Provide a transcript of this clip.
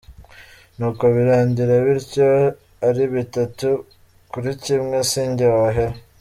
Nuko birangira bityo ari bitatu kuri kimwe, sinjye wahera!.